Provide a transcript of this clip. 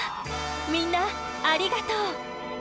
みんなありがとう！